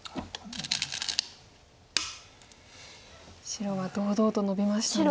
白は堂々とノビましたね。